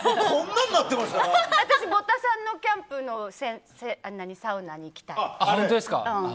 私、ボタさんのキャンプのサウナに行きたい。